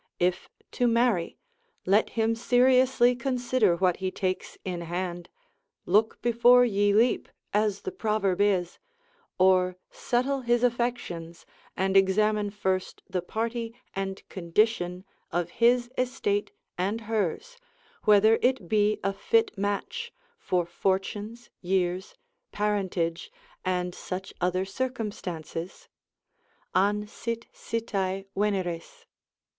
If to marry, let him seriously consider what he takes in hand, look before ye leap, as the proverb is, or settle his affections, and examine first the party, and condition of his estate and hers, whether it be a fit match, for fortunes, years, parentage, and such other circumstances, an sit sitae Veneris.